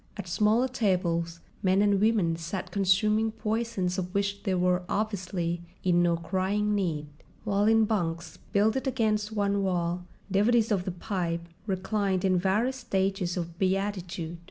At smaller tables men and women sat consuming poisons of which they were obviously in no crying need; while in bunks builded against one wall devotees of the pipe reclined in various stages of beatitude.